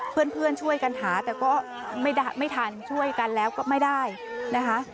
เพื่อนช่วยกันหาแต่ก็ไม่ทันช่วยกันแล้วก็ไม่ได้นะคะ